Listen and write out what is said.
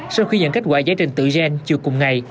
sau khi nhận kết quả giải trình tự gen chưa cùng ngày